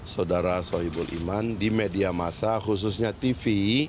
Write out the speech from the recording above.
saudara soebul iman di media masa khususnya tv